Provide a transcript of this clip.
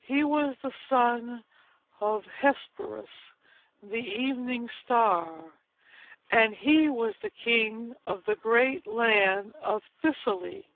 He was the son of Hesperus, the Evening Star, and he was the king of the great land of Thessaly.